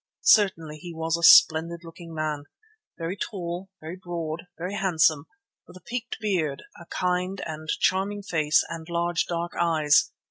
Certainly he was a splendid looking man, very tall, very broad, very handsome, with a peaked beard, a kind and charming face, and large dark eyes.